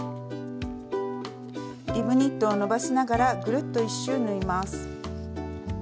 リブニットを伸ばしながらぐるっと１周縫います。